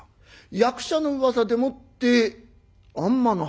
役者のうわさでもって按摩の話。